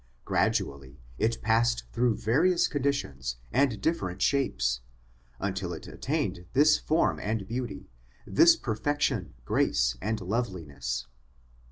Gradually it passed through various conditions and different shapes, until it attained this form and beauty, this perfection, grace, and loveliness.